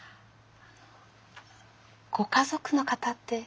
ご家族の方って。